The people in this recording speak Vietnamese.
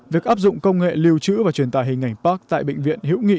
việc áp dụng công nghệ lưu trữ và truyền tải hình ảnh pacs tại bệnh viện hiễu nghị